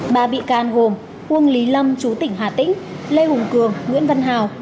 ba bị can gồm uông lý lâm chú tỉnh hà tĩnh lê hùng cường nguyễn văn hào